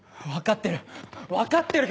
分かってる！